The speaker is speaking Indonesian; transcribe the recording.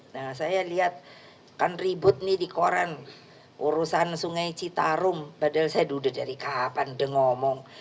nah saya lihat kan ribut nih di koran urusan sungai citarum padahal saya duduk dari kapan udah ngomong